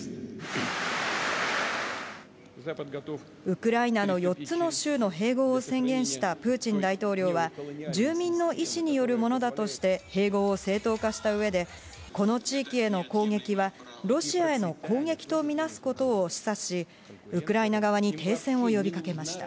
ウクライナの四つの州の併合を宣言したプーチン大統領は、住民の意思によるものだとして併合を正当化した上で、この地域への攻撃は、ロシアへの攻撃とみなすことを示唆し、ウクライナ側に停戦を呼びかけました。